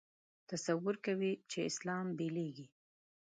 تصور کوي چې اسلام بېلېږي.